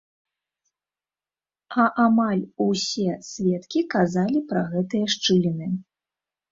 А амаль усе сведкі казалі пра гэтыя шчыліны.